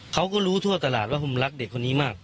เขาก็รู้ทั่วตลาดว่าผมรักเด็กคนนี้มาก